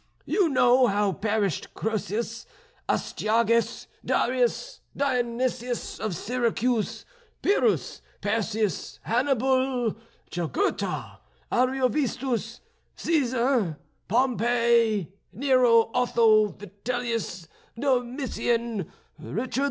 You know how perished Croesus, Astyages, Darius, Dionysius of Syracuse, Pyrrhus, Perseus, Hannibal, Jugurtha, Ariovistus, Cæsar, Pompey, Nero, Otho, Vitellius, Domitian, Richard II.